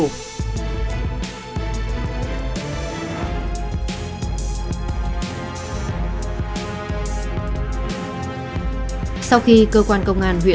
sau khi cơ quan tìm hiểu công an huyện thủy nguyên đã có mặt tại nơi xảy ra sự việc